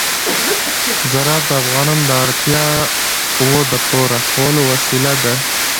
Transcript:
زراعت د افغانانو د اړتیاوو د پوره کولو وسیله ده.